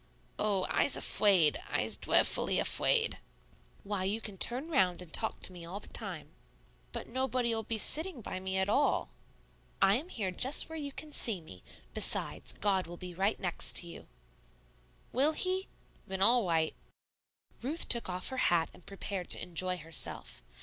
"Oh, I's afwaid. I's dweffully afwaid." "Why, you can turn round and talk to me all the time." "But nobody'll be sitting by me at all." "I am here just where you can see me; besides, God will be right next to you." "Will He? Ven all yight." Ruth took off her hat and prepared to enjoy herself.